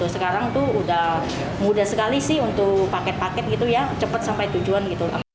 sekarang tuh udah mudah sekali sih untuk paket paket gitu ya cepat sampai tujuan gitu